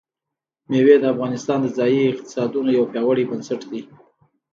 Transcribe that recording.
مېوې د افغانستان د ځایي اقتصادونو یو پیاوړی بنسټ دی.